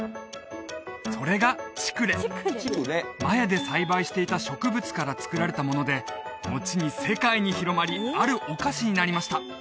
それがチクレマヤで栽培していた植物から作られたものでのちに世界に広まりあるお菓子になりました